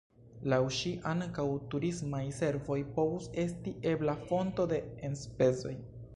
Laŭ ŝi, ankaŭ turismaj servoj povus esti ebla fonto de enspezoj.